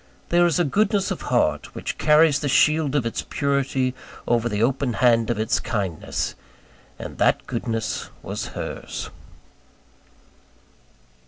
There is a goodness of heart, which carries the shield of its purity over the open hand of its kindness: and that goodness was hers.